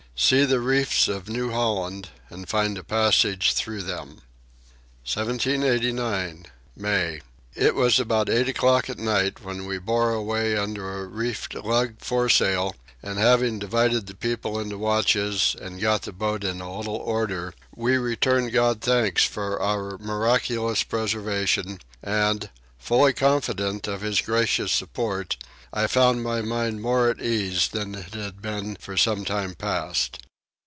See the Reefs of New Holland and find a Passage through them. 1789. May. It was about eight o'clock at night when we bore away under a reefed lug fore sail and, having divided the people into watches and got the boat in a little order, we returned God thanks for our miraculous preservation and, fully confident of his gracious support, I found my mind more at ease than it had been for some time past.